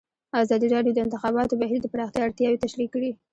ازادي راډیو د د انتخاباتو بهیر د پراختیا اړتیاوې تشریح کړي.